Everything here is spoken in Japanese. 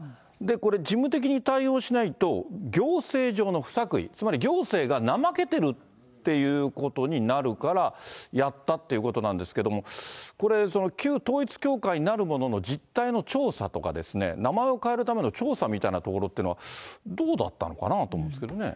これ、事務的に対応しないと行政上の不作為、つまり行政が怠けてるっていうことになるからやったっていうことなんですけど、これ、旧統一教会なるものの実態の調査とかですね、名前を変えるための調査みたいなところってのは、どうだったのかなと思うんですけどね。